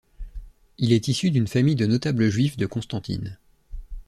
Il est issu d'une famille de notables juifs de Constantine.